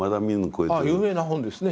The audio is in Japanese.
有名な本ですね。